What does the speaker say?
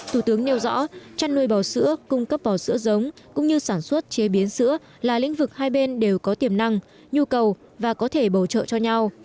thủ tướng nêu rõ chăn nuôi bò sữa cung cấp bò sữa giống cũng như sản xuất chế biến sữa là lĩnh vực hai bên đều có tiềm năng nhu cầu và có thể bổ trợ cho nhau